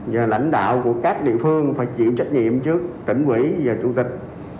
và lãnh đạo của các địa phương phải chịu trách nhiệm trước tỉnh quỹ và chủ tịch